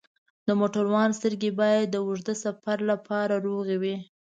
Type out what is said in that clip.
د موټروان سترګې باید د اوږده سفر لپاره روغې وي.